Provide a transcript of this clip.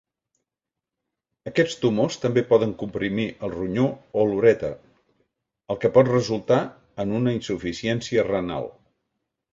Aquests tumors també poden comprimir el ronyó o l'urèter, el que pot resultar en una insuficiència renal.